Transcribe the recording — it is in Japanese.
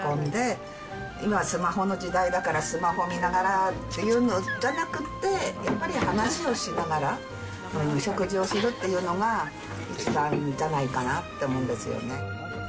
家族って食卓を囲んで、今、スマホの時代だからスマホを見ながらっていうのじゃなくて、やっぱり話をしながら食事をするっていうのが、一番じゃないかなって思うんですよね。